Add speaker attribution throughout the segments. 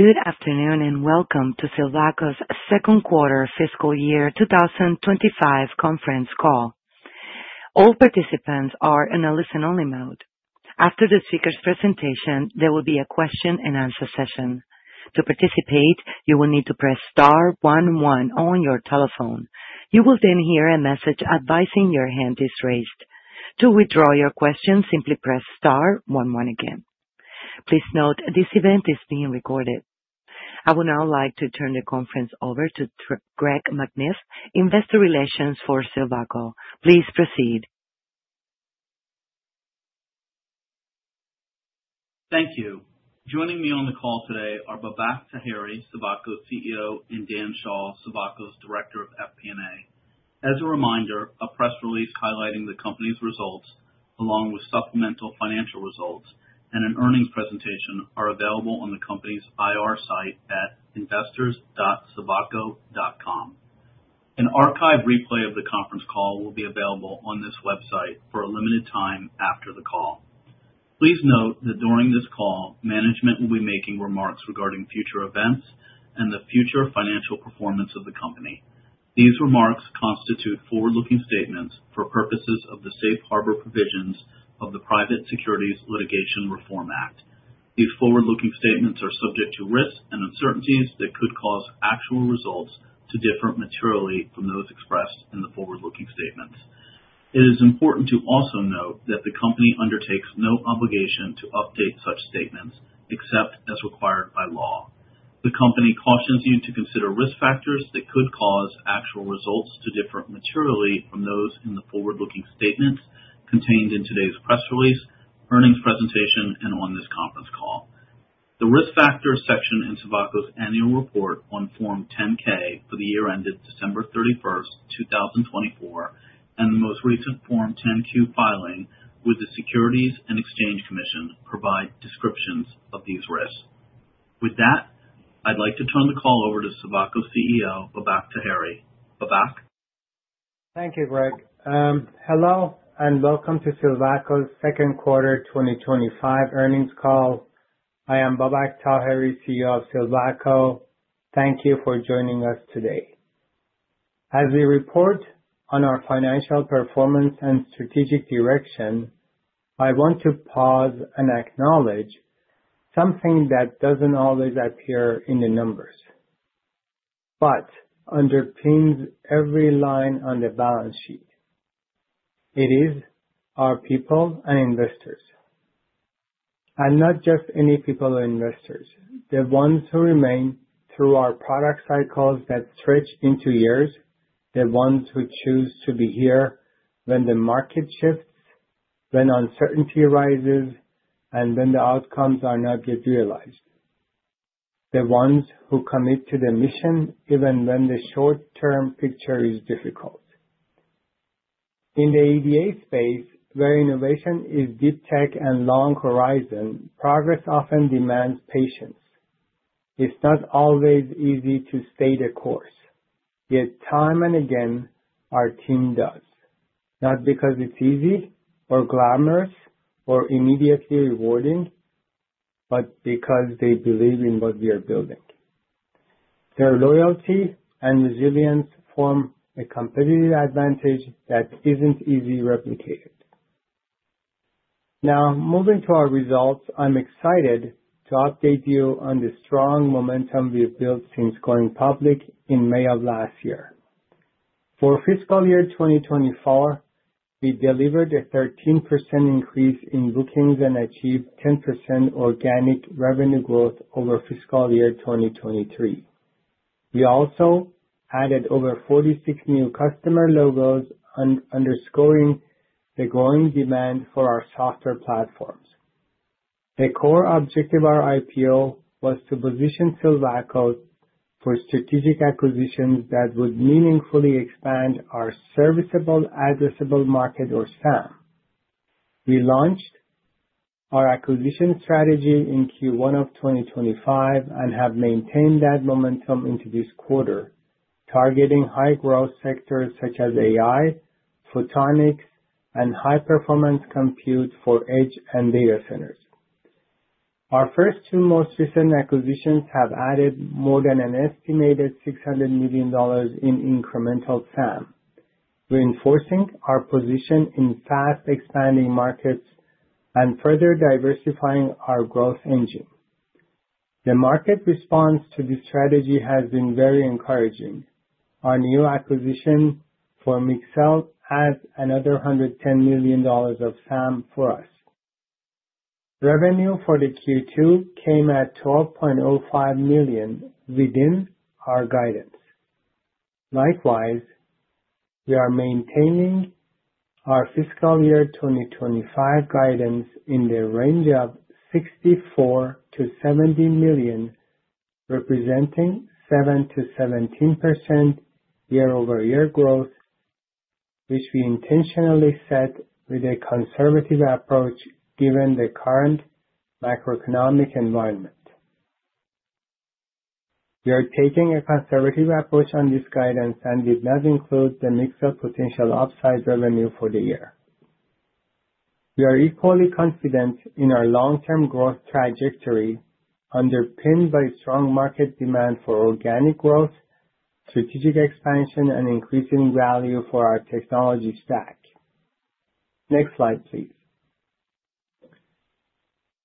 Speaker 1: Good afternoon and welcome to Silvaco's Second Quarter Fiscal Year 2025 Conference Call. All participants are in a listen-only mode. After the speaker's presentation, there will be a question and answer session. To participate, you will need to press star 11 on your telephone. You will then hear a message advising your hand is raised. To withdraw your question, simply press star 11 again. Please note this event is being recorded. I would now like to turn the conference over to Greg McNiff, Investor Relations for Silvaco. Please proceed.
Speaker 2: Thank you. Joining me on the call today are Babak Taheri, Silvaco's CEO, and Dan Shaw, Silvaco's Director of FP&A. As a reminder, a press release highlighting the company's results, along with supplemental financial results and an earnings presentation, are available on the company's IR site at investors.silvaco.com. An archive replay of the conference call will be available on this website for a limited time after the call. Please note that during this call, management will be making remarks regarding future events and the future financial performance of the company. These remarks constitute forward-looking statements for purposes of the Safe Harbor provisions of the Private Securities Litigation Reform Act. These forward-looking statements are subject to risks and uncertainties that could cause actual results to differ materially from those expressed in the forward-looking statements. It is important to also note that the company undertakes no obligation to update such statements except as required by law. The company cautions you to consider risk factors that could cause actual results to differ materially from those in the forward-looking statements contained in today's press release, earnings presentation, and on this conference call. The risk factors section in Silvaco's annual report on Form 10-K for the year ended September 30, 2024, and the most recent Form 10-Q filing with the Securities and Exchange Commission provide descriptions of these risks. With that, I'd like to turn the call over to Silvaco's CEO, Babak Taheri. Babak?
Speaker 3: Thank you, Greg. Hello and welcome to Silvaco's second quarter 2025 earnings call. I am Babak Taheri, CEO of Silvaco. Thank you for joining us today. As we report on our financial performance and strategic direction, I want to pause and acknowledge something that doesn't always appear in the numbers, but underpins every line on the balance sheet. It is our people and investors. Not just any people or investors, the ones who remain through our product cycles that stretch into years, the ones who choose to be here when the market shifts, when uncertainty arises, and when the outcomes are not yet realized. The ones who commit to the mission even when the short-term picture is difficult. In the EDA space, where innovation is deep tech and long horizon, progress often demands patience. It's not always easy to stay the course, yet time and again, our team does. Not because it's easy or glamorous or immediately rewarding, but because they believe in what we are building. Their loyalty and resilience form a competitive advantage that isn't easily replicated. Now, moving to our results, I'm excited to update you on the strong momentum we have built since going public in May of last year. For fiscal year 2024, we delivered a 13% increase in bookings and achieved 10% organic revenue growth over fiscal year 2023. We also added over 46 new customer logos, underscoring the growing demand for our software platforms. A core objective of our IPO was to Silvaco for strategic acquisitions that would meaningfully expand our serviceable addressable market, or SAM. We launched our acquisition strategy in Q1 of 2025 and have maintained that momentum into this quarter, targeting high-growth sectors such as AI, photonics, and high-performance compute for edge and data centers. Our first two most recent acquisitions have added more than an estimated $600 million in incremental SAM, reinforcing our position in fast-expanding markets and further diversifying our growth engine. The market response to this strategy has been very encouraging. Our new acquisition of Mixcell adds another $110 million of SAM for us. Revenue for Q2 came at $12.05 million within our guidance. Likewise, we are maintaining our fiscal year 2025 guidance in the range of $64-$70 million, representing 7%-17% year-over-year growth, which we intentionally set with a conservative approach given the current macroeconomic environment. We are taking a conservative approach on this guidance and did not include the mix of potential upside revenue for the year. We are equally confident in our long-term growth trajectory, underpinned by strong market demand for organic growth, strategic expansion, and increasing value for our technology stack. Next slide, please.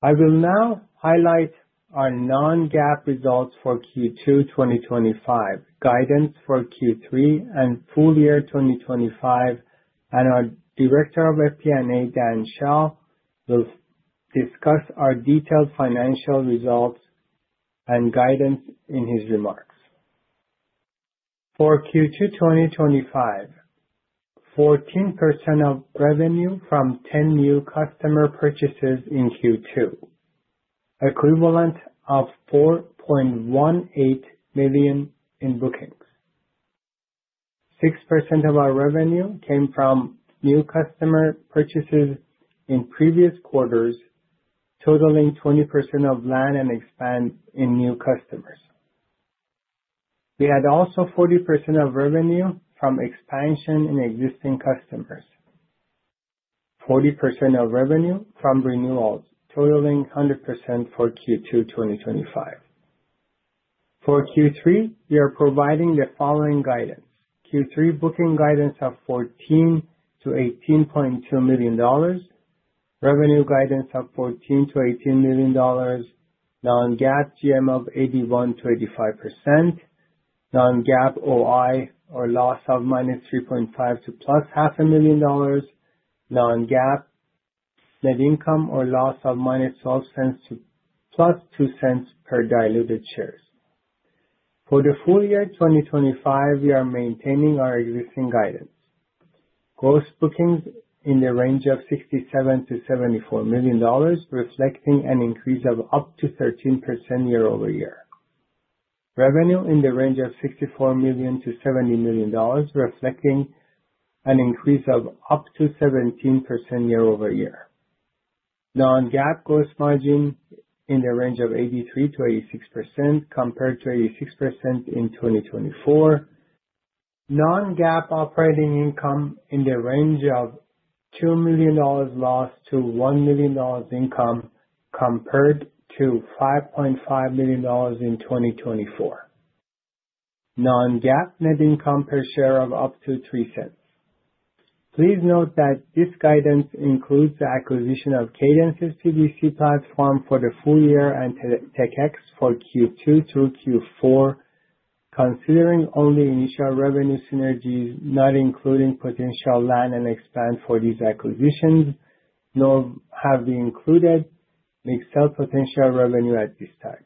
Speaker 3: I will now highlight our non-GAAP results for Q2 2025, guidance for Q3, and full year 2025, and our Director of FP&A, Dan Shaw, will discuss our detailed financial results and guidance in his remarks. For Q2 2025, 14% of revenue from 10 new customer purchases in Q2, equivalent of $4.18 million in bookings. 6% of our revenue came from new customer purchases in previous quarters, totaling 20% of land and expense in new customers. We had also 40% of revenue from expansion in existing customers, 40% of revenue from renewals, totaling 100% for Q2 2025. For Q3, we are providing the following guidance: Q3 booking guidance of $14 million-$18.2 million, revenue guidance of $14 million-$18 million, non-GAAP GM of 81%-85%, non-GAAP OI or loss of -$3.5 million to +$0.5 million, non-GAAP net income or loss of -$0.12 to +$0.02 per diluted share. For the full year 2025, we are maintaining our existing guidance. Gross bookings in the range of $67 million-$74 million, reflecting an increase of up to 13% year-over-year. Revenue in the range of $64 million-$70 million, reflecting an increase of up to 17% year-over-year. Non-GAAP gross margin in the range of 83%-86% compared to 86% in 2024. Non-GAAP operating income in the range of -$2 million to +$1 million income compared to $5.5 million in 2024. Non-GAAP net income per share of up to $0.03. Please note that this guidance includes the acquisition of Cadence Design Systems' Process Proximity Compensation platform for the full year and Tech-X Corporation for Q2 through Q4, considering only initial revenue synergies, not including potential land and expense for these acquisitions, nor have we included Mixcell potential revenue at this time.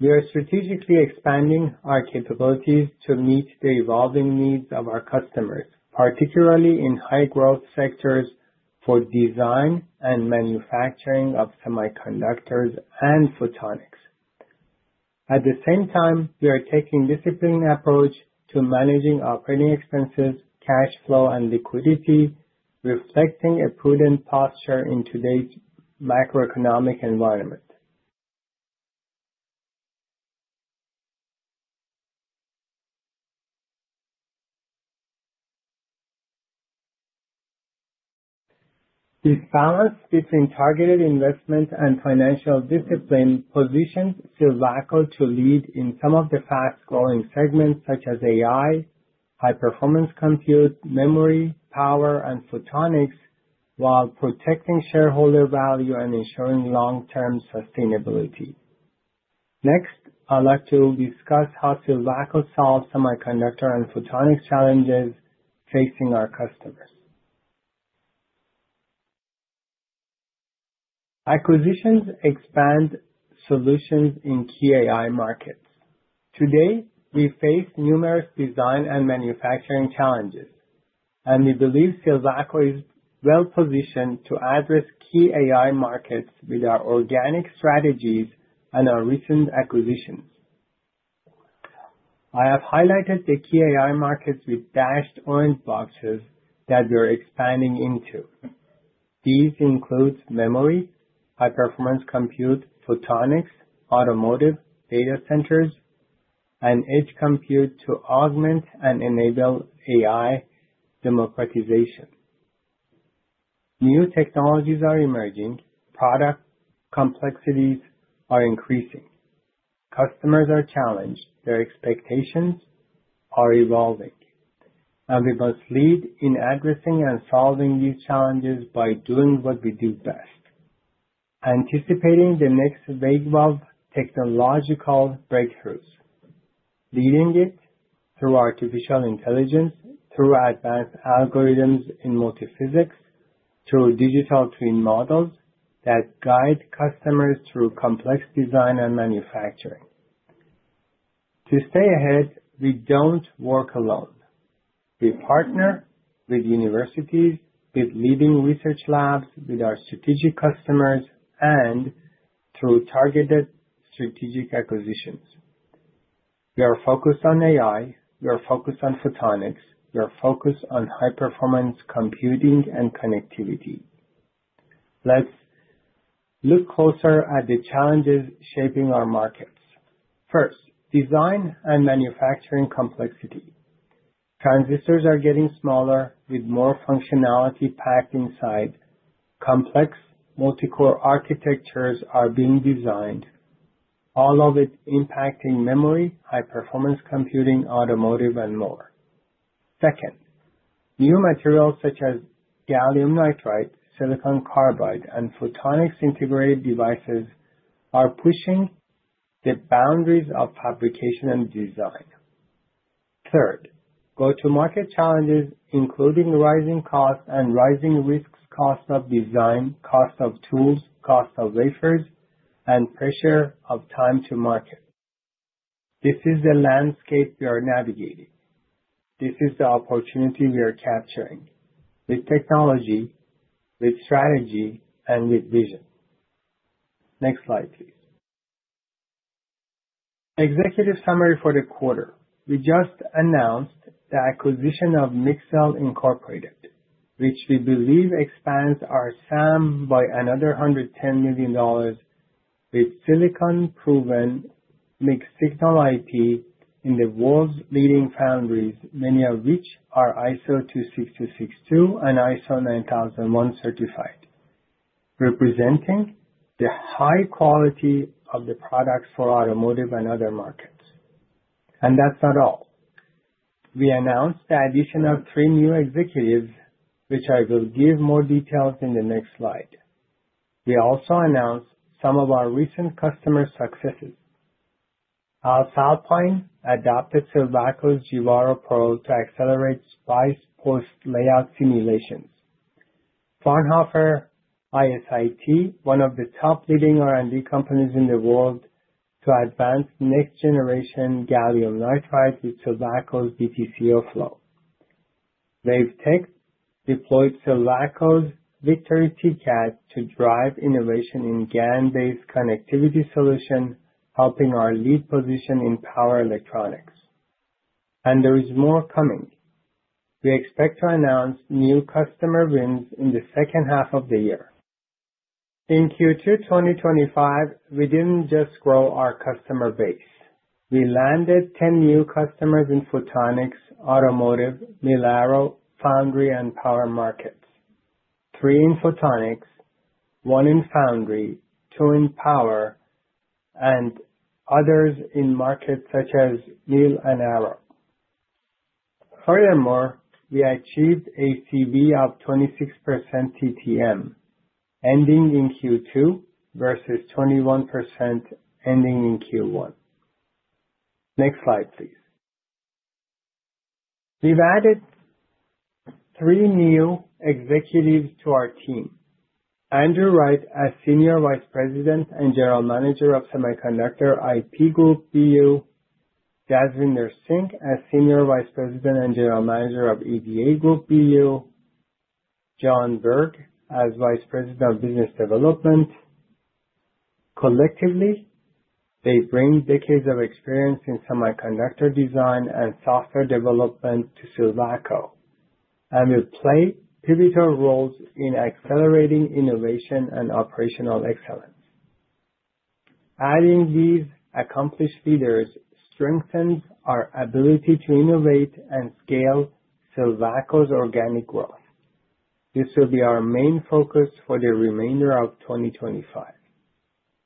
Speaker 3: We are strategically expanding our capabilities to meet the evolving needs of our customers, particularly in high-growth sectors for design and manufacturing of semiconductors and photonics. At the same time, we are taking a disciplined approach to managing operating expenses, cash flow, and liquidity, reflecting a prudent posture in today's macroeconomic environment. This balance between targeted investment and financial discipline positions Silvaco to lead in some of the fast-growing segments such as AI, high-performance compute, memory, power, and photonics, while protecting shareholder value and ensuring long-term sustainability. Next, I'd like to discuss how Silvaco solves semiconductor and photonics challenges facing our customers. Acquisitions expand solutions in key AI markets. Today, we face numerous design and manufacturing challenges, and we believe Silvaco is well-positioned to address key AI markets with our organic strategies and our recent acquisitions. I have highlighted the key AI markets with dashed orange boxes that we are expanding into. These include memory, high-performance compute, photonics, automotive, data centers, and edge compute to augment and enable AI democratization. New technologies are emerging, product complexities are increasing, customers are challenged, their expectations are evolving, and we must lead in addressing and solving these challenges by doing what we do best, anticipating the next wave of technological breakthroughs, leading it through artificial intelligence, through advanced algorithms in multi-physics, through digital twin models that guide customers through complex design and manufacturing. To stay ahead, we don't work alone. We partner with universities, with leading research labs, with our strategic customers, and through targeted strategic acquisitions. We are focused on AI, we are focused on photonics, we are focused on high-performance computing and connectivity. Let's look closer at the challenges shaping our markets. First, design and manufacturing complexity. Transistors are getting smaller with more functionality packed inside. Complex multicore architectures are being designed, all of it impacting memory, high-performance computing, automotive, and more. Second, new materials such as gallium nitride, silicon carbide, and photonics integrated devices are pushing the boundaries of fabrication and design. Third, go-to-market challenges, including rising costs and rising risks, cost of design, cost of tools, cost of wafers, and pressure of time to market. This is the landscape we are navigating. This is the opportunity we are capturing with technology, with strategy, and with vision. Next slide, please. Executive summary for the quarter. We just announced the acquisition of Mixcell Incorporated, which we believe expands our SAM by another $110 million with silicon-proven mixed-signal IP in the world's leading foundries, many of which are ISO 26262 and ISO 9001 certified, representing the high quality of the products for automotive and other markets. That's not all. We announced the addition of three new executives, which I will give more details in the next slide. We also announced some of our recent customer successes. Alps Alpine adopted Silvaco's Jivaro Pro to accelerate SPICE post-layout simulations. Fraunhofer ISIT, one of the top leading R&D companies in the world, to advance next-generation gallium nitride with Silvaco's DTCO flow. WaveTech deployed Silvaco's Victory TCAD to drive innovation in GaN-based connectivity solutions, helping our lead position in power electronics. There is more coming. We expect to announce new customer wins in the second half of the year. In Q2 2025, we didn't just grow our customer base. We landed 10 new customers in photonics, automotive, mil-aero, foundry, and power markets. Three in photonics, one in foundry, two in power, and others in markets such as mil-aero. Furthermore, we achieved ACV of 26% TTM, ending in Q2 versus 21% ending in Q1. Next slide, please. We've added three new executives to our team: Andrew Wright as Senior Vice President and General Manager of Semiconductor IP Group BU, Jasvinder Singh as Senior Vice President and General Manager of EDA Group BU, John Berg as Vice President of Business Development. Collectively, they bring decades of experience in semiconductor design and software development to Silvaco, and will play pivotal roles in accelerating innovation and operational excellence. Adding these accomplished leaders strengthens our ability to innovate and scale Silvaco's organic growth. This will be our main focus for the remainder of 2025.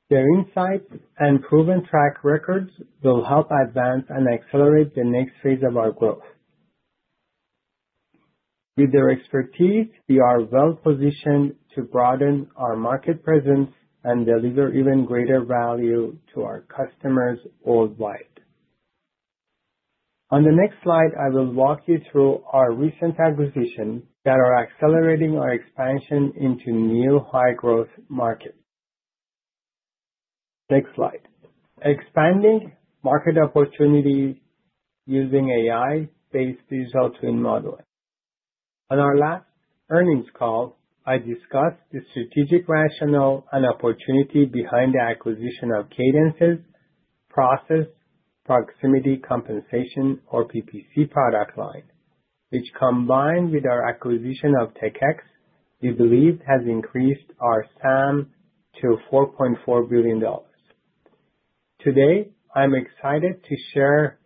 Speaker 3: Their insights and proven track records will help advance and accelerate the next phase of our growth. With their expertise, we are well-positioned to broaden our market presence and deliver even greater value to our customers worldwide. On the next slide, I will walk you through our recent acquisitions that are accelerating our expansion into new high-growth markets. Next slide. Expanding market opportunity using AI-based digital twin modeling. On our last earnings call, I discussed the strategic rationale and opportunity behind the acquisition of Cadence Design Systems' Process Proximity Compensation, or PPC, product line, which, combined with our acquisition of Tech-X Corporation, we believe has increased our SAM to $4.4 billion. Today, I'm excited to share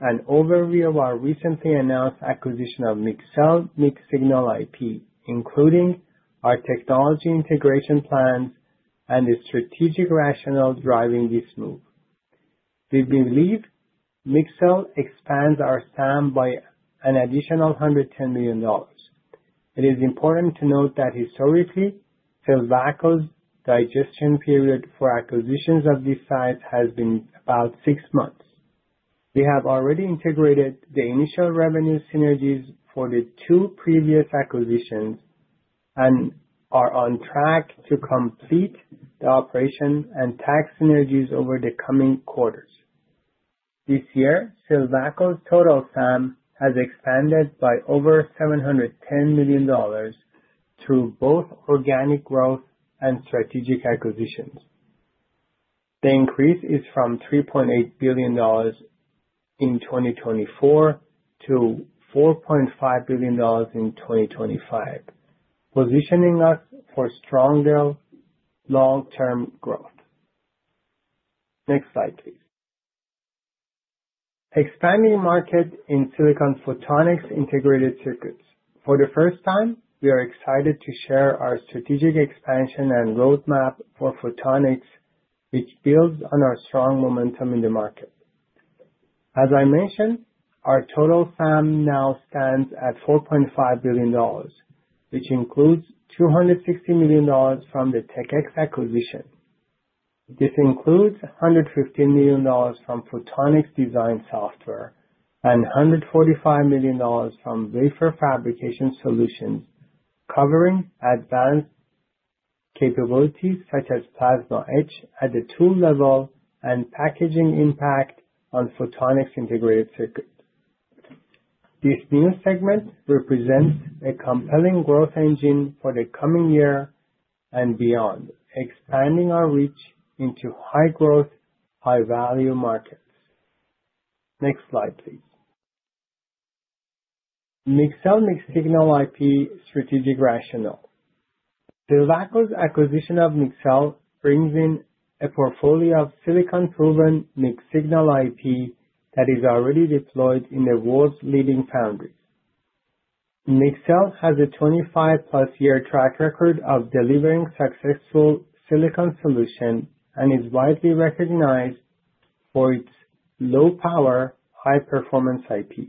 Speaker 3: an overview of our recently announced acquisition of Mixel mixed-signal IP, including our technology integration plan and the strategic rationale driving this move. We believe Mixel expands our SAM by an additional $110 million. It is important to note that historically, Silvaco's digestion period for acquisitions of these sizes has been about six months. We have already integrated the initial revenue synergies for the two previous acquisitions and are on track to complete the operation and tax synergies over the coming quarters. This year, Silvaco's total SAM has expanded by over $710 million through both organic growth and strategic acquisitions. The increase is from $3.8 billion in 2024 to $4.5 billion in 2025, positioning us for stronger long-term growth. Next slide, please. Expanding market in silicon photonics integrated circuits. For the first time, we are excited to share our strategic expansion and roadmap for photonics, which builds on our strong momentum in the market. As I mentioned, our total SAM now stands at $4.5 billion, which includes $260 million from the Tech-X acquisition. This includes $115 million from photonics design software and $145 million from wafer fabrication solutions, covering advanced capabilities such as plasma etch at the tool level and packaging impact on photonics integrated circuits. This new segment represents a compelling growth engine for the coming year and beyond, expanding our reach into high-growth, high-value markets. Next slide, please. Mixel mixed-signal IP strategic rationale. Silvaco's acquisition of Mixel brings in a portfolio of silicon-proven mixed-signal IP that is already deployed in the world's leading foundries. Mixel has a 25+ year track record of delivering successful silicon solutions and is widely recognized for its low-power, high-performance IP.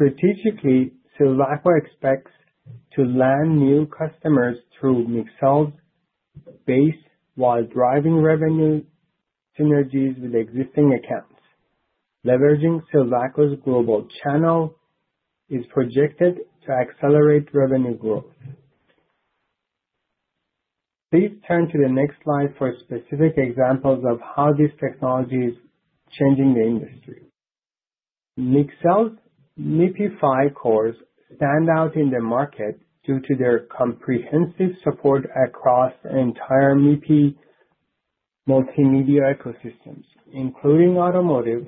Speaker 3: Silvaco expects to land new customers through Mixel's base while driving revenue synergies with existing accounts. leveraging Silvaco's global channel is projected to accelerate revenue growth. Please turn to the next slide for specific examples of how this technology is changing the industry. Mixcell's MIPI 5 cores stand out in the market due to their comprehensive support across the entire MIPI multimedia ecosystems, including automotive,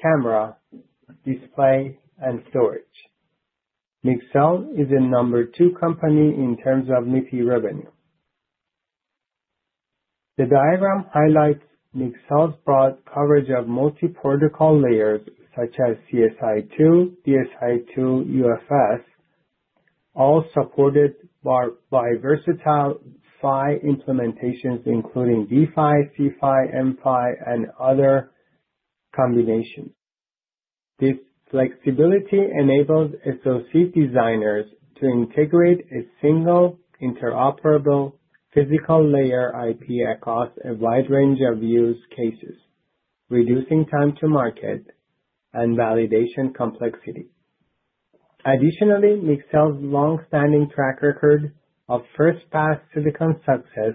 Speaker 3: camera, display, and storage. Mixcell is the number two company in terms of MIPI revenue. The diagram highlights Mixcell's broad coverage of multi-protocol layers such as CSI2, DSI2, UFS, all supported by versatile FI implementations, including DFI, CFI, MPI, and other combinations. This flexibility enables associate designers to integrate a single interoperable physical layer IP across a wide range of use cases, reducing time to market and validation complexity. Additionally, Mixcell's longstanding track record of first-pass silicon success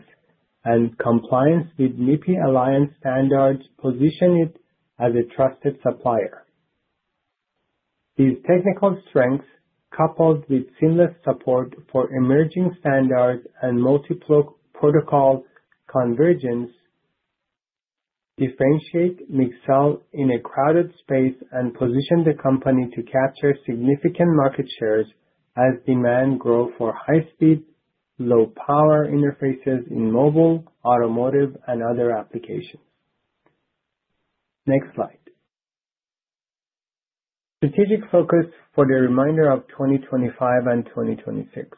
Speaker 3: and compliance with MIPI Alliance standards position it as a trusted supplier. These technical strengths, coupled with seamless support for emerging standards and multi-protocol convergence, differentiate Mixcell in a crowded space and position the company to capture significant market shares as demand grows for high-speed, low-power interfaces in mobile, automotive, and other applications. Next slide. Strategic focus for the remainder of 2025 and 2026.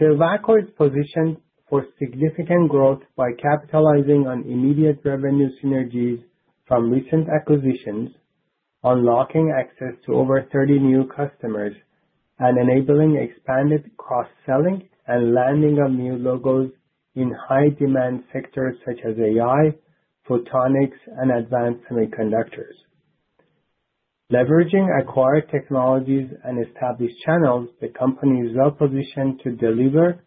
Speaker 3: Silvaco is positioned for significant growth by capitalizing on immediate revenue synergies from recent acquisitions, unlocking access to over 30 new customers, and enabling expanded cross-selling and landing of new logos in high-demand sectors such as AI, photonics, and advanced semiconductors. Leveraging acquired technologies and established channels, the company is well-positioned to deliver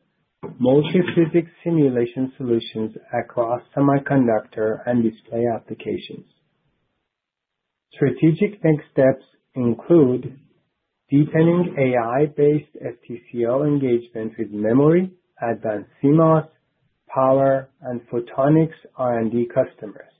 Speaker 3: multi-physics simulation solutions across semiconductor and display applications. Strategic next steps include deepening AI-based FTCO engagement with memory, advanced CMOS, power, and photonics R&D customers,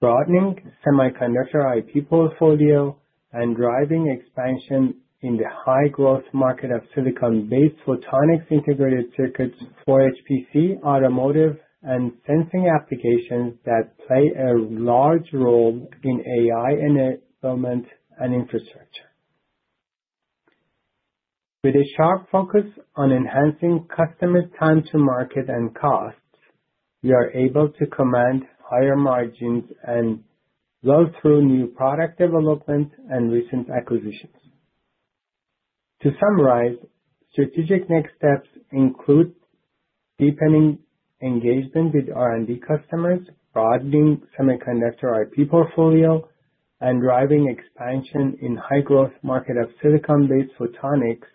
Speaker 3: broadening semiconductor IP portfolio, and driving expansion in the high-growth market of silicon-based photonics integrated circuits for HPC, automotive, and sensing applications that play a large role in AI enablement and infrastructure. With a sharp focus on enhancing customers' time to market and costs, we are able to command higher margins and flow through new product development and recent acquisitions. To summarize, strategic next steps include deepening engagement with R&D customers, broadening semiconductor IP portfolio, and driving expansion in the high-growth market of silicon-based photonics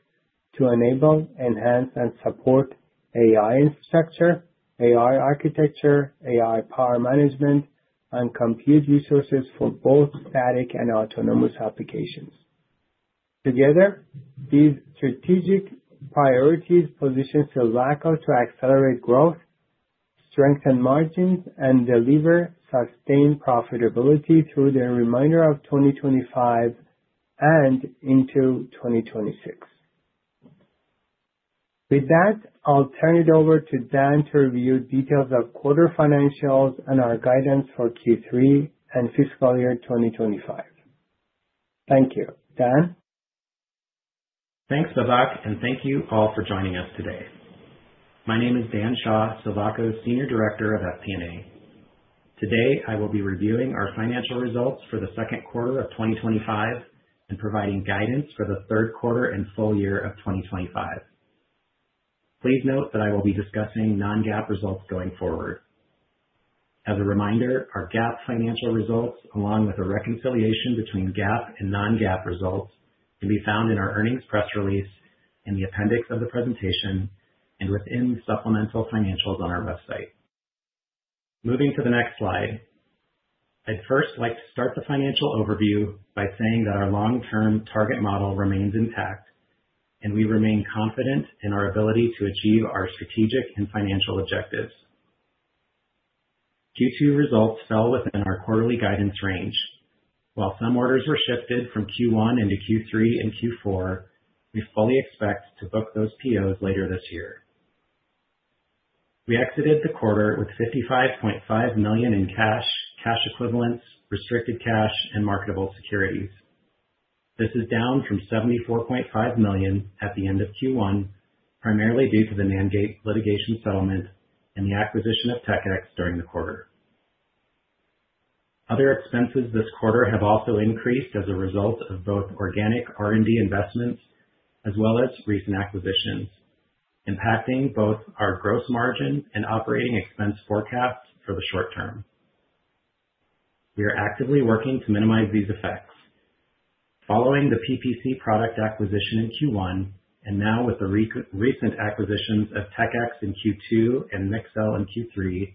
Speaker 3: to enable, enhance, and support AI infrastructure, AI architecture, AI power management, and compute resources for both static and autonomous applications. Together, these strategic priorities Silvaco to accelerate growth, strengthen margins, and deliver sustained profitability through the remainder of 2025 and into 2026. With that, I'll turn it over to Dan to review details of quarter financials and our guidance for Q3 and fiscal year 2025. Thank you, Dan.
Speaker 4: Thanks, Babak, and thank you all for joining us today. My name is Dan Shaw, Silvaco's Senior Director of FP&A. Today, I will be reviewing our financial results for the second quarter of 2025 and providing guidance for the third quarter and full year of 2025. Please note that I will be discussing non-GAAP results going forward. As a reminder, our GAAP financial results, along with a reconciliation between GAAP and non-GAAP results, can be found in our earnings press release and the appendix of the presentation and within supplemental financials on our website. Moving to the next slide, I'd first like to start the financial overview by saying that our long-term target model remains intact, and we remain confident in our ability to achieve our strategic and financial objectives. Q2 results fell within our quarterly guidance range. While some orders were shifted from Q1 into Q3 and Q4, we fully expect to book those POs later this year. We exited the quarter with $55.5 million in cash, cash equivalents, restricted cash, and marketable securities. This is down from $74.5 million at the end of Q1, primarily due to the NAND Gate litigation settlement and the acquisition of Tech-X Corporation during the quarter. Other expenses this quarter have also increased as a result of both organic R&D investments as well as recent acquisitions, impacting both our gross margin and operating expense forecasts for the short term. We are actively working to minimize these effects. Following the Process Proximity Compensation platform product acquisition in Q1, and now with the recent acquisitions of Tech-X Corporation in Q2 and Mixcell Incorporated in Q3,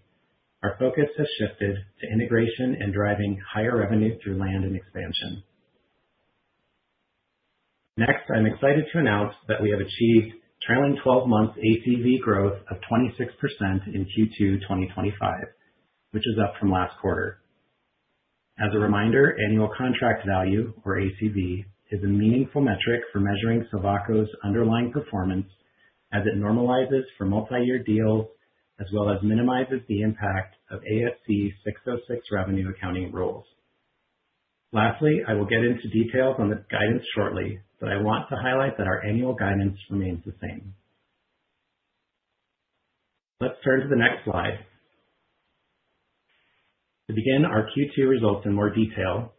Speaker 4: our focus has shifted to integration and driving higher revenue through land and expansion. Next, I'm excited to announce that we have achieved trailing 12 months ACV growth of 26% in Q2 2025, which is up from last quarter. As a reminder, annual contract value, or ACV, is a meaningful metric for measuring Silvaco's underlying performance as it normalizes for multi-year deals as well as minimizes the impact of ASC 606 revenue accounting rules. Lastly, I will get into details on the guidance shortly, but I want to highlight that our annual guidance remains the same. Let's turn to the next slide. To begin, our Q2 results in more detail.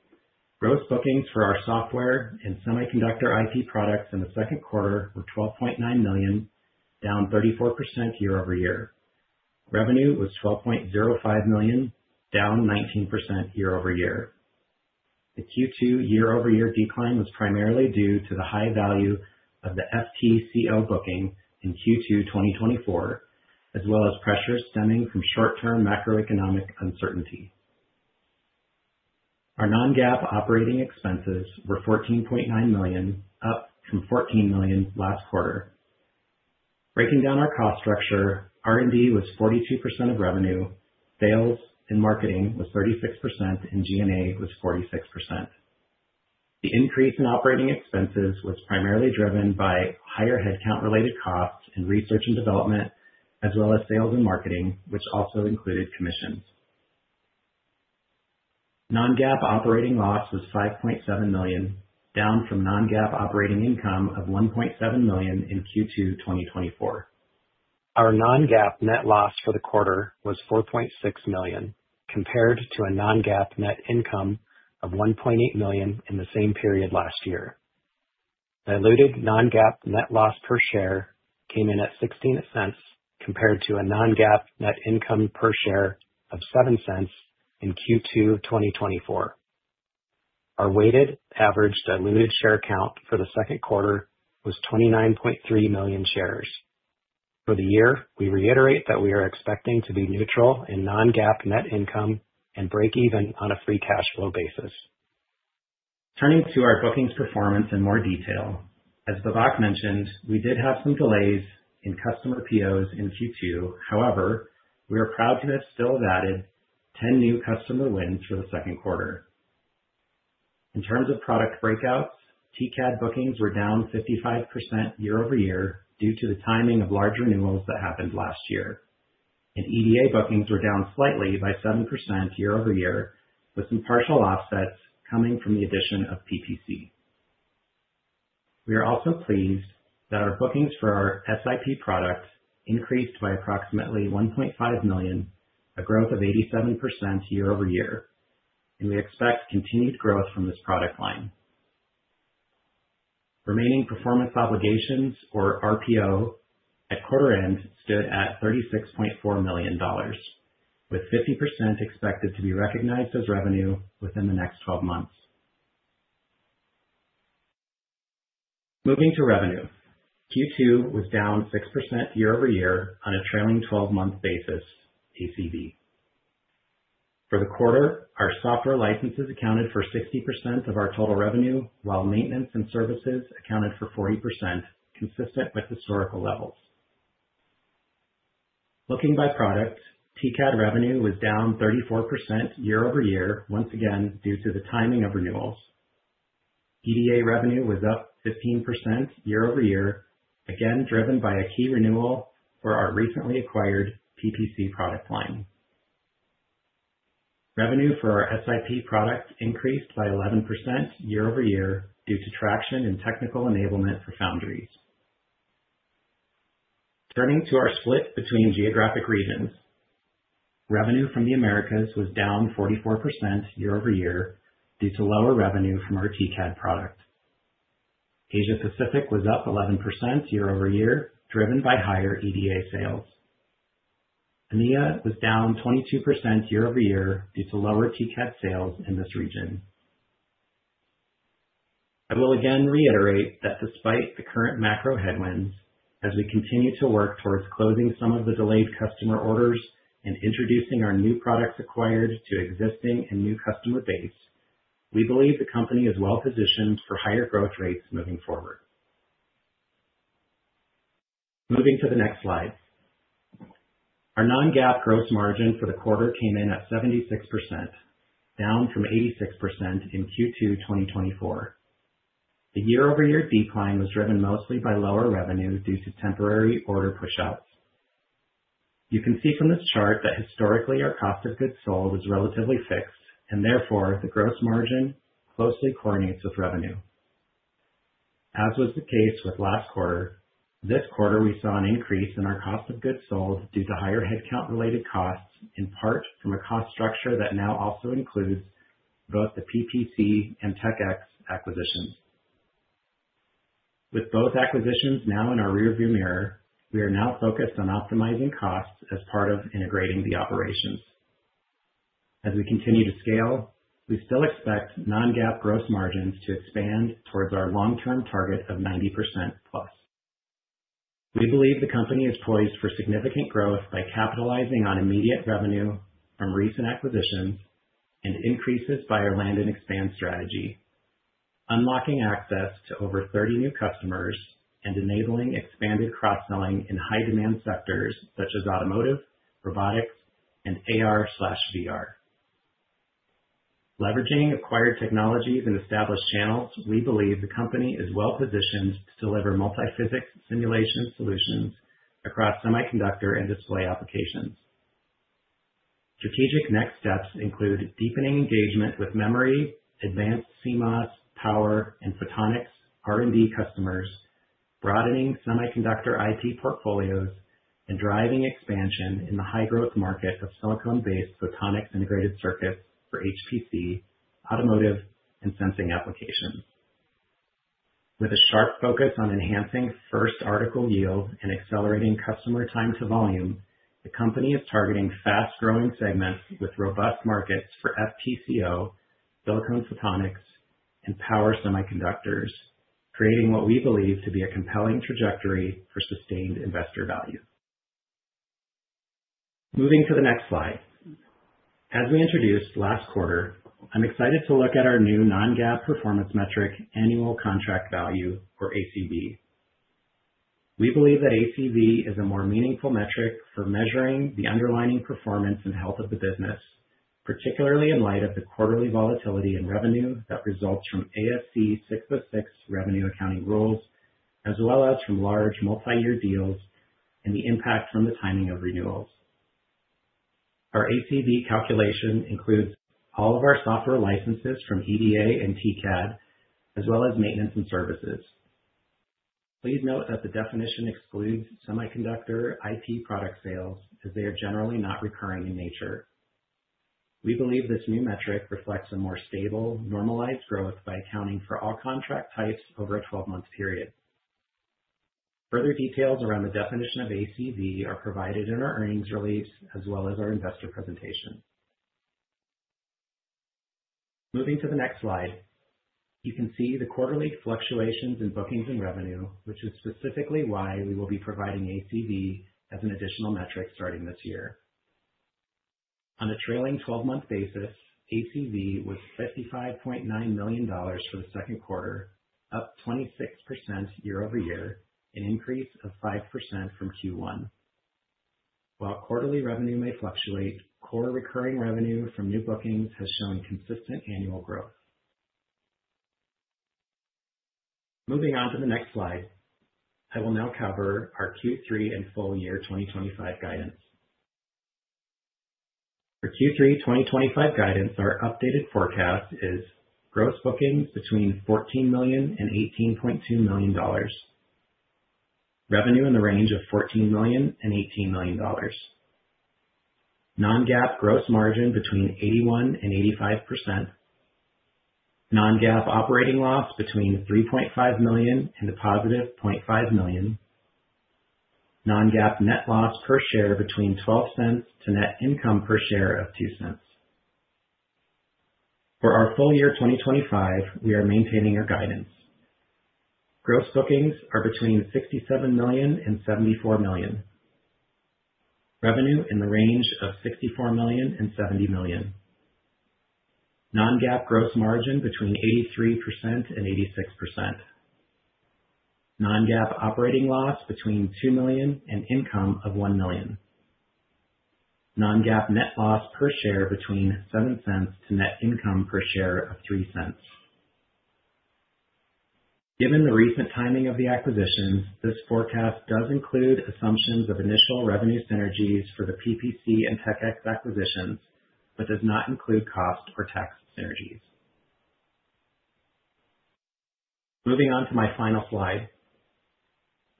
Speaker 4: Gross bookings for our software and semiconductor IP products in the second quarter were $12.9 million, down 34% year-over-year. Revenue was $12.05 million, down 19% year-over-year. The Q2 year-over-year decline was primarily due to the high value of the FTCL booking in Q2 2024, as well as pressures stemming from short-term macroeconomic uncertainty. Our non-GAAP operating expenses were $14.9 million, up from $14 million last quarter. Breaking down our cost structure, R&D was 42% of revenue, sales and marketing was 36%, and G&A was 46%. The increase in operating expenses was primarily driven by higher headcount-related costs in research and development, as well as sales and marketing, which also included commissions. Non-GAAP operating loss was $5.7 million, down from non-GAAP operating income of $1.7 million in Q2 2024. Our non-GAAP net loss for the quarter was $4.6 million, compared to a non-GAAP net income of $1.8 million in the same period last year. Diluted non-GAAP net loss per share came in at $0.16 compared to a non-GAAP net income per share of $0.07 in Q2 2024. Our weighted average diluted share count for the second quarter was 29.3 million shares. For the year, we reiterate that we are expecting to be neutral in non-GAAP net income and break even on a free cash flow basis. Turning to our bookings performance in more detail. As Babak mentioned, we did have some delays in customer POs in Q2. However, we are proud to have still added 10 new customer wins for the second quarter. In terms of product breakouts, TCAD bookings were down 55% year-over-year due to the timing of large renewals that happened last year. EDA bookings were down slightly by 7% year-over-year with some partial offsets coming from the addition of PPC. We are also pleased that our bookings for our SIP product increased by approximately $1.5 million, a growth of 87% year-over-year, and we expect continued growth from this product line. Remaining performance obligations, or RPO, at quarter end stood at $36.4 million, with 50% expected to be recognized as revenue within the next 12 months. Moving to revenue, Q2 was down 6% year-over-year on a trailing 12-month basis ACV. For the quarter, our software licenses accounted for 60% of our total revenue, while maintenance and services accounted for 40%, consistent with historical levels. Looking by product, TCAD revenue was down 34% year-over-year, once again due to the timing of renewals. EDA revenue was up 15% year-over-year, again driven by a key renewal for our recently acquired PPC product line. Revenue for our SIP product increased by 11% year-over-year due to traction and technical enablement for foundries. Turning to our split between geographic regions, revenue from the Americas was down 44% year-over-year due to lower revenue from our TCAD product. Asia Pacific was up 11% year-over-year, driven by higher EDA sales. EMEA was down 22% year-over-year due to lower TCAD sales in this region. I will again reiterate that despite the current macro headwind, as we continue to work towards closing some of the delayed customer orders and introducing our new products acquired to existing and new customer base, we believe the company is well-positioned for higher growth rates moving forward. Moving to the next slide. Our non-GAAP gross margin for the quarter came in at 76%, down from 86% in Q2 2024. The year-over-year decline was driven mostly by lower revenue due to temporary order push-outs. You can see from this chart that historically our cost of goods sold was relatively fixed, and therefore the gross margin closely coordinates with revenue. As was the case with last quarter, this quarter we saw an increase in our cost of goods sold due to higher headcount-related costs, in part from a cost structure that now also includes both the PPC and Tech-X Corporation acquisitions. With both acquisitions now in our rearview mirror, we are now focused on optimizing costs as part of integrating the operations. As we continue to scale, we still expect non-GAAP gross margins to expand towards our long-term target of 90%+. We believe the company is poised for significant growth by capitalizing on immediate revenue from recent acquisitions and increases by our land and expand strategy, unlocking access to over 30 new customers and enabling expanded cross-selling in high-demand sectors such as automotive, robotics, and AR/VR. Leveraging acquired technologies and established channels, we believe the company is well-positioned to deliver multi-physics simulation solutions across semiconductor and display applications. Strategic next steps include deepening engagement with memory, advanced CMOS, power, and photonics R&D customers, broadening semiconductor IP portfolios, and driving expansion in the high-growth market of silicon-based photonics integrated circuits for HPC, automotive, and sensing applications. With a sharp focus on enhancing first article yield and accelerating customer time to volume, the company is targeting fast-growing segments with robust markets for FTCO, silicon photonics, and power semiconductors, creating what we believe to be a compelling trajectory for sustained investor value. Moving to the next slide. As we introduced last quarter, I'm excited to look at our new non-GAAP performance metric, annual contract value, or ACV. We believe that ACV is a more meaningful metric for measuring the underlying performance and health of the business, particularly in light of the quarterly volatility in revenue that results from ASC 606 revenue accounting rules, as well as from large multi-year deals and the impact from the timing of renewals. Our ACV calculation includes all of our software licenses from EDA and TCAD, as well as maintenance and services. Please note that the definition excludes semiconductor IP product sales as they are generally not recurring in nature. We believe this new metric reflects a more stable, normalized growth by accounting for all contract types over a 12-month period. Further details around the definition of ACV are provided in our earnings release, as well as our investor presentation. Moving to the next slide, you can see the quarterly fluctuations in bookings and revenue, which is specifically why we will be providing ACV as an additional metric starting this year. On a trailing 12-month basis, ACV was $55.9 million for the second quarter, up 26% year-over-year, an increase of 5% from Q1. While quarterly revenue may fluctuate, core recurring revenue from new bookings has shown consistent annual growth. Moving on to the next slide, I will now cover our Q3 and full year 2025 guidance. Our Q3 2025 guidance, our updated forecast is gross bookings between $14 million and $18.2 million, revenue in the range of $14 million and $18 million, non-GAAP gross margin between 81% and 85%, non-GAAP operating loss between $3.5 million and a positive $0.5 million, non-GAAP net loss per share between $0.12 to net income per share of $0.02. For our full year 2025, we are maintaining our guidance. Gross bookings are between $67 million and $74 million, revenue in the range of $64 million and $70 million, non-GAAP gross margin between 83% and 86%, non-GAAP operating loss between $2 million and income of $1 million, non-GAAP net loss per share between $0.07 to net income per share of $0.03. Given the recent timing of the acquisitions, this forecast does include assumptions of initial revenue synergies for the PPC and Tech-X acquisitions, but does not include cost or tax synergies. Moving on to my final slide.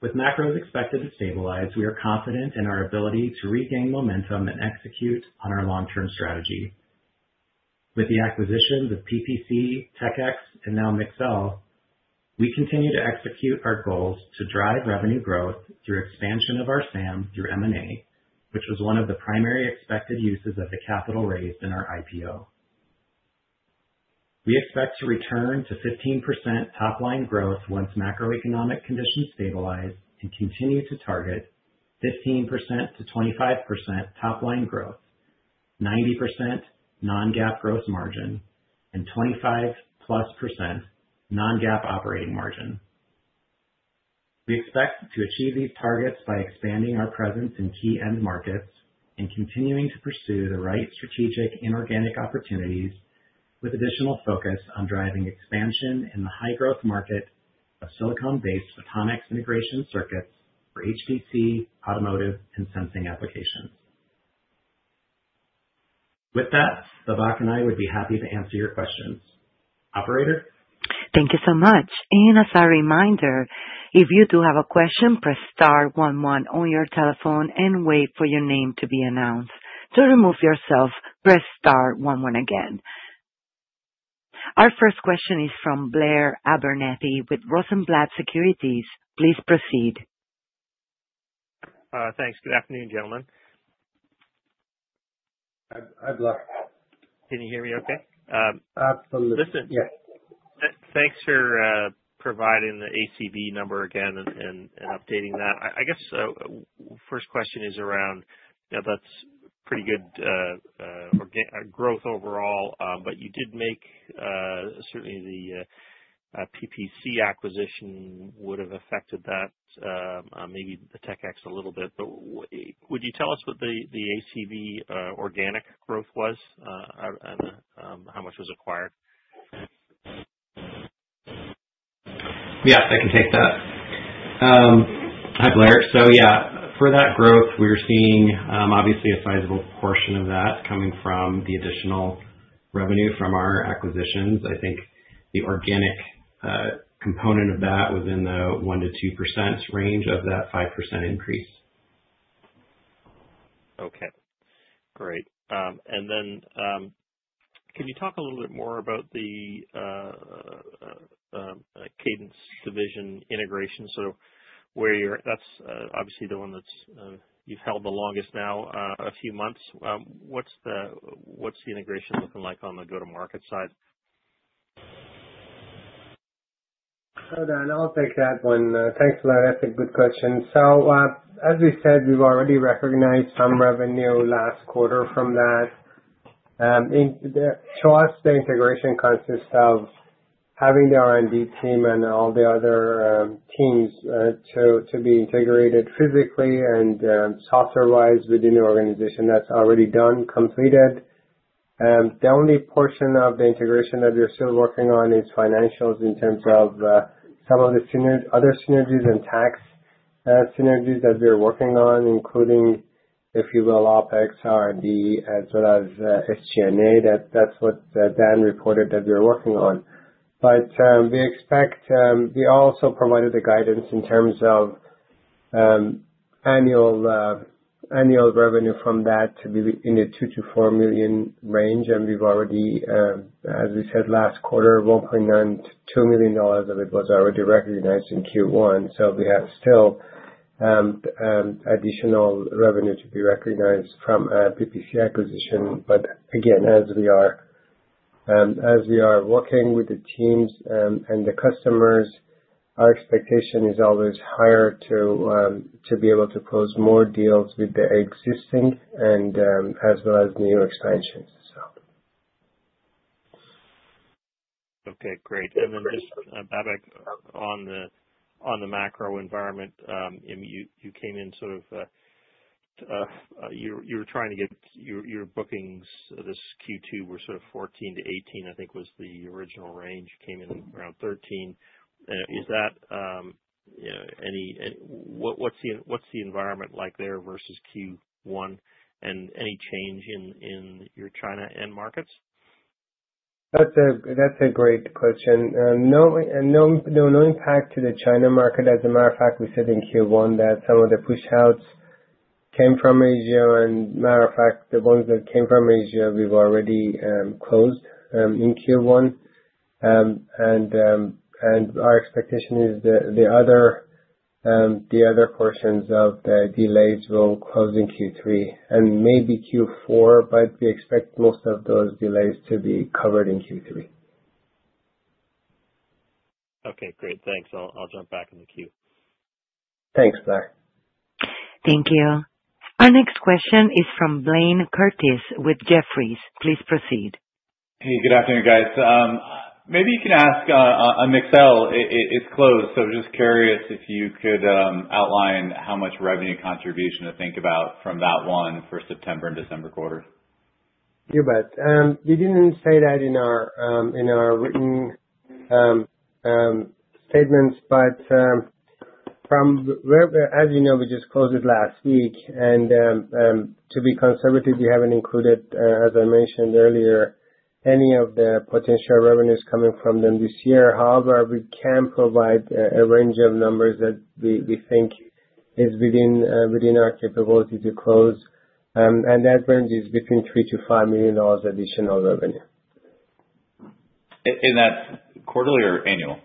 Speaker 4: With macros expected to stabilize, we are confident in our ability to regain momentum and execute on our long-term strategy. With the acquisitions of PPC, Tech-X, and now Mixel, we continue to execute our goals to drive revenue growth through expansion of our SAM through M&A, which was one of the primary expected uses of the capital raised in our IPO. We expect to return to 15% top-line growth once macroeconomic conditions stabilize and continue to target 15%-25% top-line growth, 90% non-GAAP gross margin, and 25%+ non-GAAP operating margin. We expect to achieve these targets by expanding our presence in key markets and continuing to pursue the right strategic inorganic opportunities, with additional focus on driving expansion in the high-growth market of silicon photonics integration circuits for HPC, automotive, and sensing applications. With that, Babak and I would be happy to answer your questions. Operator?
Speaker 1: Thank you so much. As a reminder, if you do have a question, press star 11 on your telephone and wait for your name to be announced. To remove yourself, press star 11 again. Our first question is from Blair Abernethy with Rosenblatt Securities. Please proceed.
Speaker 5: Thanks. Good afternoon, gentlemen.
Speaker 3: Hi Blair.
Speaker 5: Can you hear me okay?
Speaker 3: Absolutely.
Speaker 5: Listen
Speaker 3: yeah.
Speaker 5: Thanks for providing the ACV number again and updating that. I guess the first question is around, you know, that's pretty good growth overall, but you did make certainly the PPC acquisition would have affected that, maybe the Tech-X a little bit, but would you tell us what the ACV organic growth was and how much was acquired?
Speaker 4: Yeah, if I can take that. Hi, Blair. For that growth, we were seeing obviously a sizable portion of that coming from the additional revenue from our acquisitions. I think the organic component of that was in the 1%-2% range of that 5% increase. Okay. Great. Can you talk a little bit more about the Cadence Design Systems division integration? That's obviously the one that you've held the longest now, a few months. What's the integration looking like on the go-to-market side?
Speaker 3: Hold on. I'll take that one. Thanks for that. That's a good question. As we said, we've already recognized some revenue last quarter from that. To us, the integration consists of having the R&D team and all the other teams to be integrated physically and software-wise within the organization. That's already done, completed. The only portion of the integration that we're still working on is financials in terms of some of the other synergies and tax synergies that we are working on, including, if you will, OpEx, R&D, as well as SG&A. That's what Dan reported that we're working on. We expect we also provided the guidance in terms of annual revenue from that to be in the $2 to $4 million range. We've already, as we said last quarter, $1.92 million of it was already recognized in Q1. We have still additional revenue to be recognized from PPC acquisition. As we are working with the teams and the customers, our expectation is always higher to be able to close more deals with the existing and as well as the new expansion.
Speaker 5: Okay, great. Babak, on the macro environment, you came in sort of, you were trying to get your bookings. This Q2 was sort of $14 million-$18 million, I think was the original range. You came in around $13 million. Is that, you know, what's the environment like there versus Q1? Any change in your China end markets?
Speaker 3: That's a great question. No, no impact to the China market. As a matter of fact, we said in Q1 that some of the push-outs came from Asia. As a matter of fact, the ones that came from Asia, we've already closed in Q1. Our expectation is that the other portions of the delays will close in Q3 and maybe Q4, but we expect most of those delays to be covered in Q3.
Speaker 5: Okay, great. Thanks. I'll jump back in the queue.
Speaker 3: Thanks, Blair.
Speaker 1: Thank you. Our next question is from Blayne Curtis with Jefferies. Please proceed.
Speaker 6: Hey, good afternoon, guys. Maybe you can ask on Mixcell. It's closed, so I was just curious if you could outline how much revenue contribution to think about from that one for September and December quarter.
Speaker 3: You bet. You didn't say that in our written statements, but from where, as you know, we just closed it last week. To be conservative, we haven't included, as I mentioned earlier, any of the potential revenues coming from them this year. However, we can provide a range of numbers that we think is within our capability to close. That range is between $3 million-$5 million additional revenue.
Speaker 6: Is that quarterly or annual?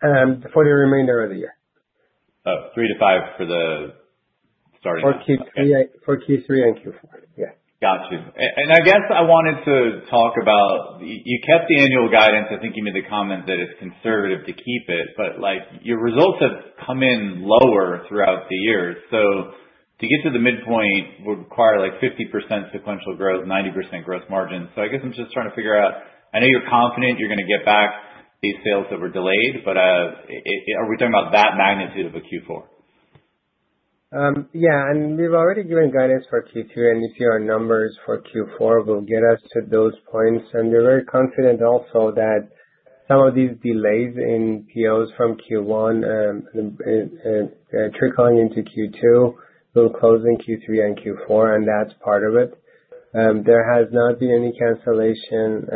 Speaker 3: For the remainder of the year.
Speaker 6: Three to five for the starting point.
Speaker 3: For Q3 and Q4, yeah.
Speaker 6: Got you. I guess I wanted to talk about, you kept the annual guidance. I think you made the comment that it's conservative to keep it, but your results have come in lower throughout the year. To get to the midpoint would require 50% sequential growth, 90% gross margin. I guess I'm just trying to figure out, I know you're confident you're going to get back these sales that were delayed, but are we talking about that magnitude of a Q4?
Speaker 3: Yeah, and we've already given guidance for Q2, and if you see our numbers for Q4, we'll get us to those points. We're very confident also that some of these delays in POs from Q1 and trickling into Q2 will close in Q3 and Q4, and that's part of it. There has not been any cancellation.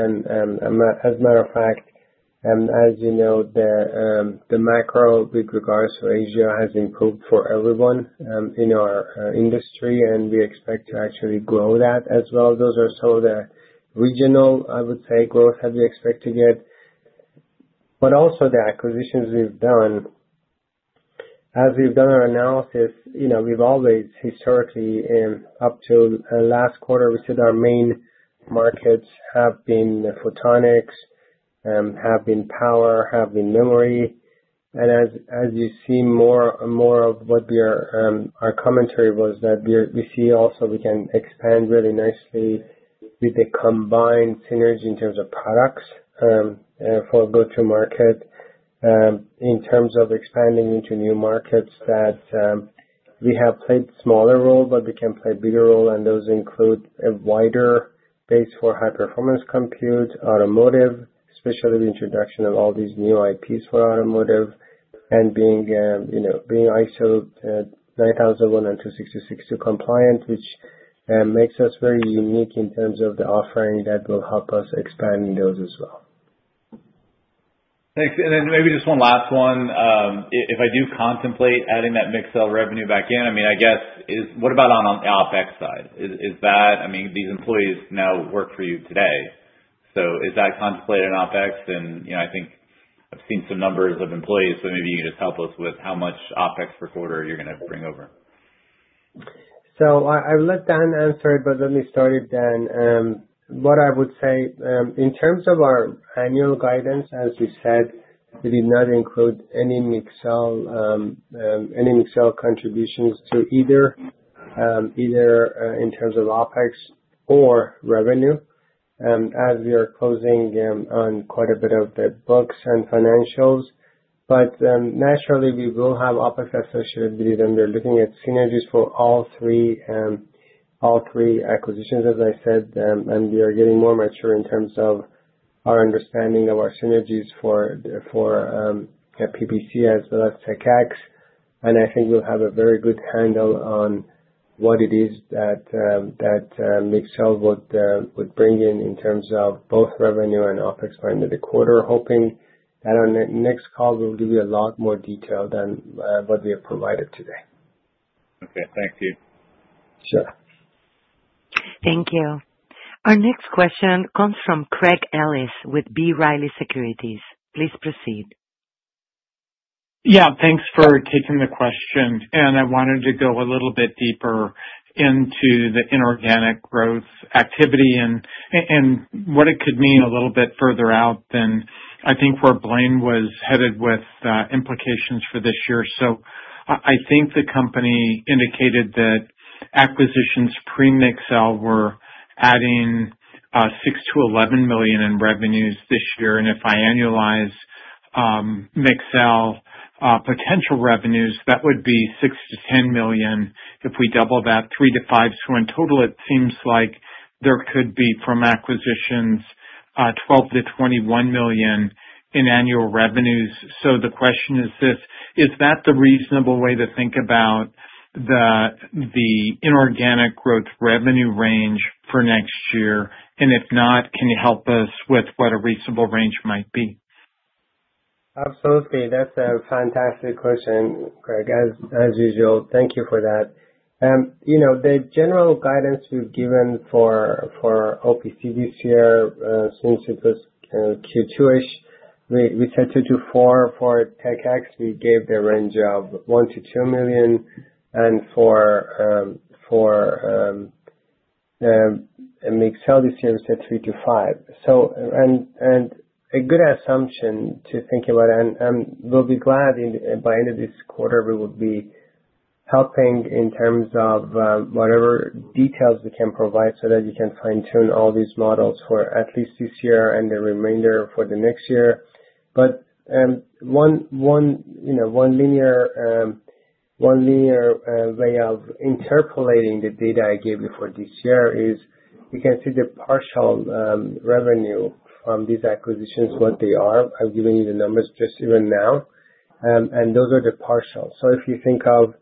Speaker 3: As a matter of fact, as you know, the macro with regards to Asia has improved for everyone in our industry, and we expect to actually grow that as well. Those are some of the regional, I would say, growths that we expect to get. Also, the acquisitions we've done, as we've done our analysis, you know, we've always historically, up to last quarter, we said our main markets have been photonics, have been power, have been memory. As you see more and more of what our commentary was that we see also we can expand really nicely with the combined synergy in terms of products for a go-to-market. In terms of expanding into new markets, that we have played a smaller role, but we can play a bigger role, and those include a wider base for high-performance compute, automotive, especially the introduction of all these new IPs for automotive, and being ISO 9001 and 2662 compliant, which makes us very unique in terms of the offering that will help us expand in those as well.
Speaker 6: Thanks. Maybe just one last one. If I do contemplate adding that Mixcell revenue back in, I mean, is what about on the OpEx side? Is that, I mean, these employees now work for you today. Is that contemplated in OpEx? I think I've seen some numbers of employees, so maybe you can just help us with how much OpEx per quarter you're going to bring over.
Speaker 3: Let Dan answer it, but let me start it then. What I would say, in terms of our annual guidance, as we said, we did not include any Mixcell contributions either in terms of OpEx or revenue. As we are closing on quite a bit of the books and financials, we will have OpEx associated with it, and we're looking at synergies for all three acquisitions, as I said, and we are getting more mature in terms of our understanding of our synergies for PPC as well as Tech-X. I think we'll have a very good handle on what it is that Mixcell would bring in in terms of both revenue and OpEx by end of the quarter, hoping that on the next call, we'll give you a lot more detail than what we have provided today.
Speaker 6: Okay, thank you.
Speaker 1: Thank you. Our next question comes from Craig Ellis with B. Riley Securities. Please proceed.
Speaker 7: Yeah, thanks for taking the question. I wanted to go a little bit deeper into the inorganic growth activity and what it could mean a little bit further out than I think where Blaine was headed with implications for this year. I think the company indicated that acquisitions pre-Mixcell were adding $6 to $11 million in revenues this year. If I annualize Mixcell potential revenues, that would be $6 to $10 million. If we double that, $3 to $5 million, so in total, it seems like there could be from acquisitions $12 to $21 million in annual revenues. The question is this: is that the reasonable way to think about the inorganic growth revenue range for next year? If not, can you help us with what a reasonable range might be?
Speaker 3: Absolutely. That's a fantastic question, Craig. As usual, thank you for that. You know, the general guidance we've given for OPC this year, since it was Q2-ish, we said 2 to 4 for Tech-X. We gave the range of $1 million to $2 million. For Mixcell this year, we said 3 to 5. A good assumption to think about. We'll be glad by the end of this quarter, we will be helping in terms of whatever details we can provide so that you can fine-tune all these models for at least this year and the remainder for next year. One linear way of interpolating the data I gave you for this year is you can see the partial revenue from these acquisitions, what they are. I've given you the numbers just even now. Those are the partials. If you think of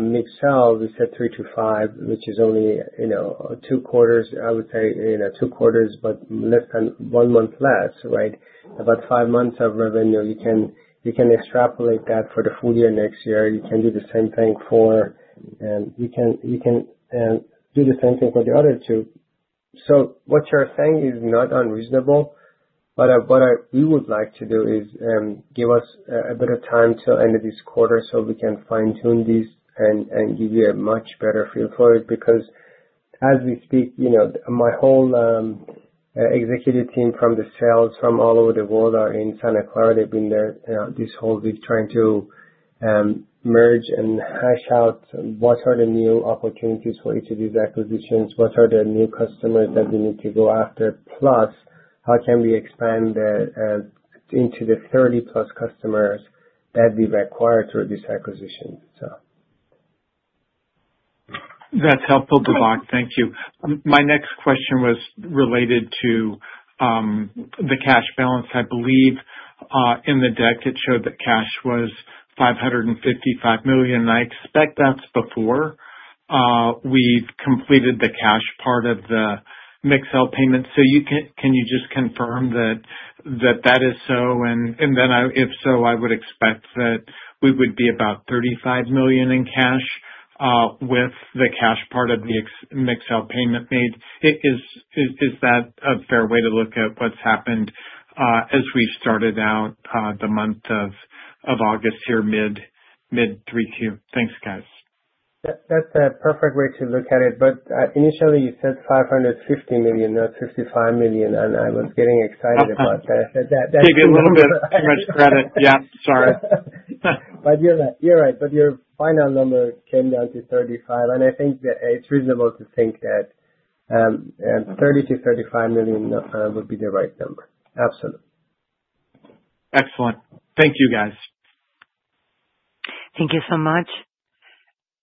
Speaker 3: Mixcell, we said 3-5, which is only, you know, two quarters, I would say, you know, two quarters, but less than one month less, right? About five months of revenue. You can extrapolate that for the full year next year. You can do the same thing for the other two. What you're saying is not unreasonable. What we would like to do is give us a bit of time till the end of this quarter so we can fine-tune these and give you a much better feel for it because as we speak, my whole executive team from the sales from all over the world are in Santa Clara. They've been there this whole week trying to merge and hash out what are the new opportunities for each of these acquisitions, what are the new customers that we need to go after, plus how can we expand into the 30+ customers that we require through this acquisition.
Speaker 7: That's helpful, Babak. Thank you. My next question was related to the cash balance. I believe, in the deck, it showed that cash was $555 million. I expect that's before we've completed the cash part of the Mixcell payment. Can you just confirm that is so? If so, I would expect that we would be about $35 million in cash, with the cash part of the Mixcell payment made. Is that a fair way to look at what's happened, as we started out the month of August here, mid 3Q? Thanks, guys.
Speaker 3: That's a perfect way to look at it. Initially, you said $550 million, not $55 million, and I was getting excited about that.
Speaker 7: Give you a little bit too much credit. Yeah, sorry.
Speaker 3: You're right. Your final number came down to 35. I think that it's reasonable to think that $30 million to $35 million would be the right number. Absolutely.
Speaker 7: Excellent. Thank you, guys.
Speaker 1: Thank you so much.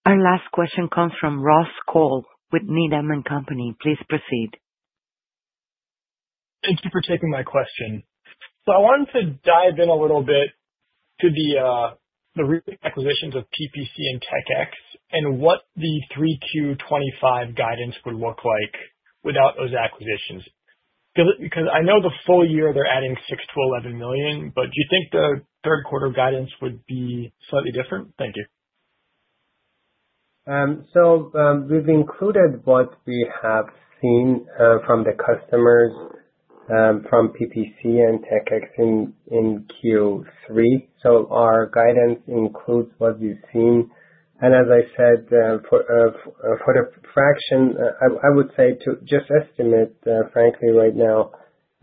Speaker 1: Our last question comes from Ross Cole with Needham & Company. Please proceed.
Speaker 8: Thank you for taking my question. I wanted to dive in a little bit to the recent acquisitions of PPC and Tech-X and what the 3Q 2025 guidance would look like without those acquisitions. I know the full year they're adding $6 to $11 million, but do you think the third quarter guidance would be slightly different? Thank you.
Speaker 3: We've included what we have seen from the customers from PPC and Tech-X in Q3. Our guidance includes what we've seen. As I said, for the fraction, I would say to just estimate, frankly, right now,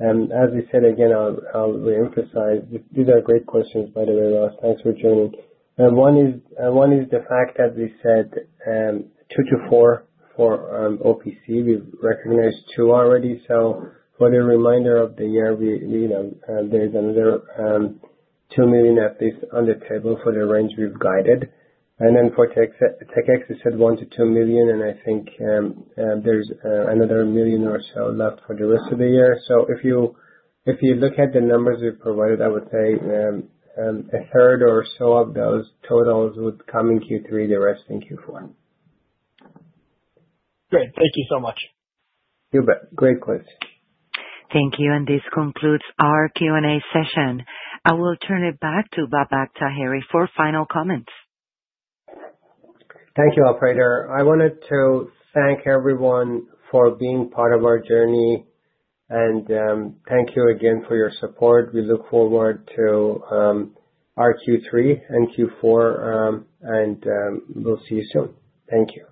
Speaker 3: as we said, again, I'll reemphasize, these are great questions, by the way, Ross. Thanks for joining. One is the fact that we said 2 to 4 for OPC. We've recognized two already. For the remainder of the year, there's another $2 million at least on the table for the range we've guided. For Tech-X, we said $1 to $2 million, and I think there's another $1 million or so left for the rest of the year. If you look at the numbers we've provided, I would say a third or so of those totals would come in Q3, the rest in Q4.
Speaker 8: Great. Thank you so much.
Speaker 3: You bet. Great question.
Speaker 1: Thank you. This concludes our Q&A session. I will turn it back to Babak Taheri for final comments.
Speaker 3: Thank you, operator. I wanted to thank everyone for being part of our journey, and thank you again for your support. We look forward to our Q3 and Q4, and we'll see you soon. Thank you.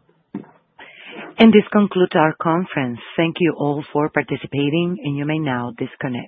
Speaker 1: This concludes our conference. Thank you all for participating, and you may now disconnect.